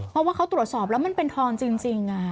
เพราะว่าเขาตรวจสอบแล้วมันเป็นทองจริง